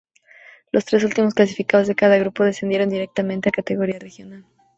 Los tres últimos clasificados de cada grupo descendieron directamente a Categoría Regional.